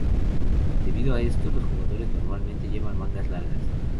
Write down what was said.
Debido a esto, los jugadores normalmente llevan mangas largas.